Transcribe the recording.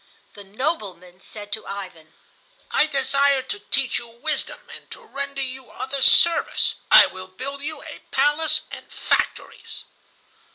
The "nobleman" said to Ivan: "I desire to teach you wisdom and to render you other service. I will build you a palace and factories."